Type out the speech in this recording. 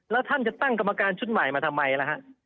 แล้วท่านจะตั้งกรรมการชุดใหม่มาทำไมล่ะฮะ